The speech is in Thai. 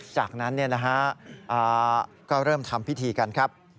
จากนั้นก็เริ่มทำพิธีกันครับ